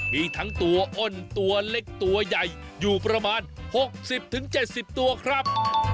มีทั้งตัวอ้นตัวเล็กตัวใหญ่อยู่ประมาณหกสิบถึงเจ็ดสิบตัวครับ